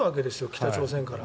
北朝鮮から。